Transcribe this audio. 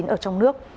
ở trong nước